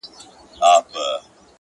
هوښیار انسان فرصت نه ضایع کوي،